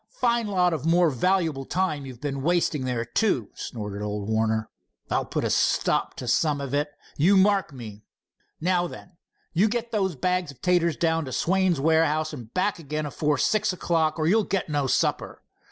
Fine lot of more valuable time you've been wasting there, too," snorted old Warner. "I'll put a stop to some of it, you mark me. Now then, you get those bags of taters down to Swain's warehouse and back again afore six o'clock, or you'll get no supper.